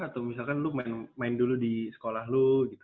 atau misalkan lu main dulu di sekolah lu gitu